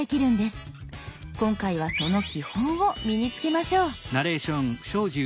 今回はその基本を身に付けましょう。